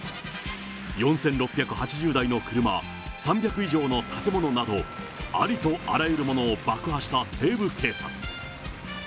４６８０台の車、３００以上の建物など、ありとあらゆるものを爆破した西部警察。